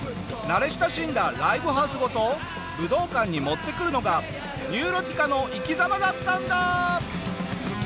慣れ親しんだライブハウスごと武道館に持ってくるのがニューロティカの生き様だったんだ！